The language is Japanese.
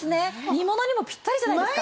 煮物にもピッタリじゃないですか。